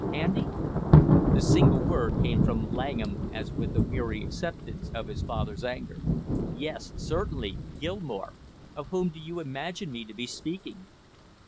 "Andy?" The single word came from Langham as with a weary acceptance of his father's anger. "Yes, certainly Gilmore of whom do you imagine me to be speaking?"